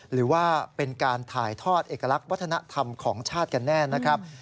หรือว่าเป็นการถ่ายทอดเอกลักษณ์วัฒนธรรมของชาติกันแน่นะครับ